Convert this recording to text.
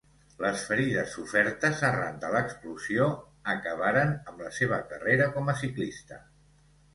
Les ferides sofertes arran de l'explosió acabaren amb la seva carrera com a ciclista.